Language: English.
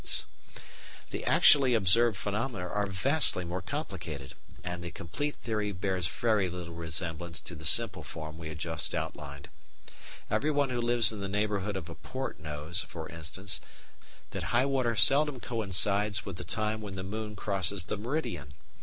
_ A BIG SPRING TIDE, THE AEGIR ON THE TRENT] The actually observed phenomena are vastly more complicated, and the complete theory bears very little resemblance to the simple form we have just outlined. Everyone who lives in the neighbourhood of a port knows, for instance, that high water seldom coincides with the time when the moon crosses the meridian.